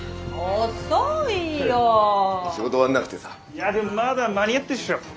いやでもまだ間に合ってるっしょ。